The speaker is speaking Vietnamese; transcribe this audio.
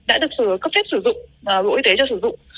đã được cấp phép sử dụng bộ y tế cho sử dụng